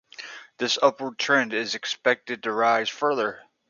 This upward trend is expected to rise further.